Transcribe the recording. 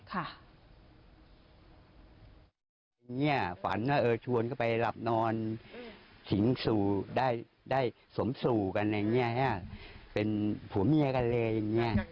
อย่างนี้ฝันชวนเข้าไปหลับนอนสมสู่กันเป็นผัวเมียกันเลย